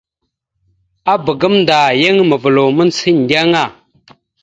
Abak gamənda yan mavəlaw mandzəha endeŋa.